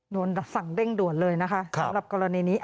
สั่งเร่งด่วนเลยนะคะสำหรับกรณีนี้